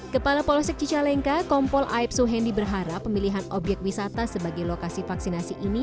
kepala polosek cicalengka kompol aipso hendi berharap pemilihan objek wisata sebagai lokasi vaksinasi ini